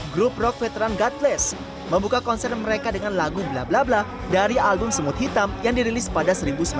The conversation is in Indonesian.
grup rock veteran god bless membuka konser mereka dengan lagu blah blah blah dari album semut hitam yang dirilis pada seribu sembilan ratus delapan puluh delapan